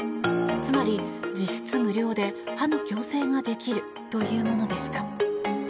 つまり、実質無料で歯の矯正ができるというものでした。